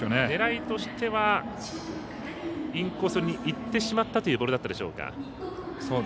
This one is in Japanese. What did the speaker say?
狙いとしてはインコースにいってしまったというボールだったでしょうか。